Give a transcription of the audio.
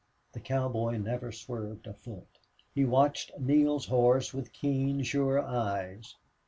The cowboy never swerved a foot. He watched Neale's horse with keen, sure eyes.